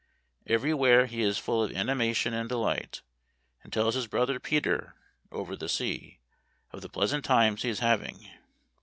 Every where he is full of animation and delight, and tells his brother Peter, over the sea, of the pleasant times he is having.